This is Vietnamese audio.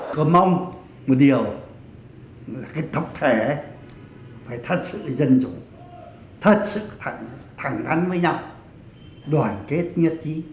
tôi mong một điều là cái tập thể phải thật sự dân chủ thật sự thẳng thắn với nhau đoàn kết nhất trí